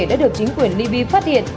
đã được chính quyền li bi phát hiện